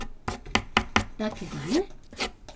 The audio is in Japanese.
だけどね